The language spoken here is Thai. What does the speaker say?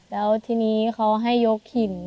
แล้วทีนี้เขาให้ยกหิน